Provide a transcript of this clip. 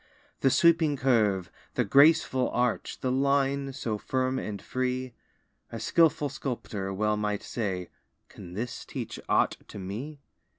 The sweeping curve, the graceful arch, The line so firm and free; A skilful sculptor well might say: "Can this teach aught to me?"